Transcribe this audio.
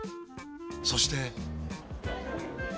そして。